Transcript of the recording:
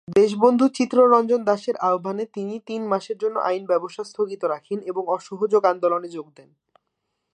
দেশবন্ধু চিত্তরঞ্জন দাশের আহ্বানে তিনি তিন মাসের জন্য আইন ব্যবসা স্থগিত রাখেন এবং অসহযোগ আন্দোলনে অংশ নেন।